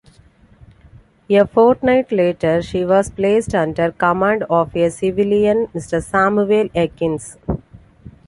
A fortnight later, she was placed under command of a civilian, Mr. Samuel Eakins.